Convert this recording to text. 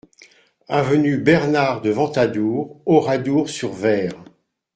Avenue Bernard de Ventadour, Oradour-sur-Vayres